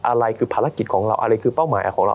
อะไรคือภารกิจของเราอะไรคือเป้าหมายของเรา